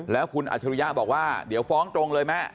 แล้วคุณอัจฉริยะบอกว่าเดี๋ยวฟ้องตรงเลยแม่